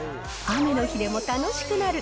雨の日でも楽しくなる！